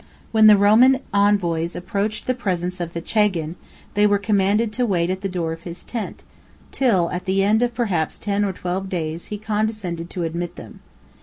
When the Roman envoys approached the presence of the chagan, they were commanded to wait at the door of his tent, till, at the end perhaps of ten or twelve days, he condescended to admit them.